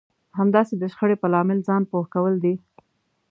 همداسې د شخړې په لامل ځان پوه کول دي.